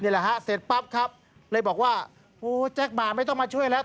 แหละฮะเสร็จปั๊บครับเลยบอกว่าโอ้แจ๊คมาไม่ต้องมาช่วยแล้ว